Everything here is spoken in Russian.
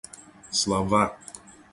слова